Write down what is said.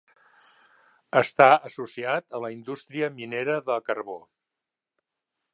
Està associat a la indústria minera de carbó.